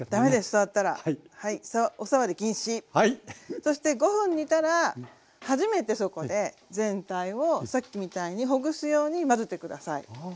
そして５分煮たら初めてそこで全体をさっきみたいにほぐすように混ぜて下さい。